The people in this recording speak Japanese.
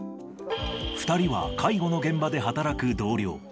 ２人は介護の現場で働く同僚。